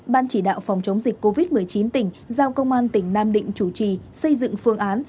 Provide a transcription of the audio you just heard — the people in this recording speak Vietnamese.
ban chỉ đạo phòng chống dịch covid một mươi chín tỉnh giao công an tỉnh nam định chủ trì xây dựng phương án